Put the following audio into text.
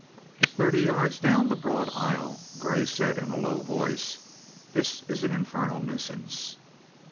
Thirty yards down the broad aisle Grey said in a low voice: "This is an infernal nuisance!"